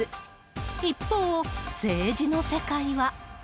一方、政治の世界は。